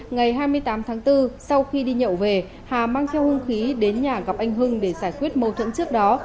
ngày hai mươi tám tháng bốn sau khi đi nhậu về hà mang theo hung khí đến nhà gặp anh hưng để giải quyết mâu thuẫn trước đó